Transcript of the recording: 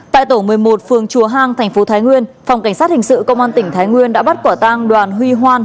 tại tổ một mươi một phường chùa hang thành phố thái nguyên phòng cảnh sát hình sự công an tỉnh thái nguyên đã bắt quả tang đoàn huy hoan